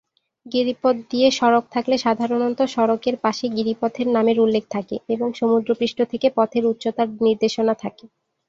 গিরিপথ দিয়ে সড়ক থাকলে সাধারণত সড়কের পাশে গিরিপথের নামের উল্লেখ থাকে এবং সমুদ্রপৃষ্ঠ থেকে পথের উচ্চতার নির্দেশনা থাকে।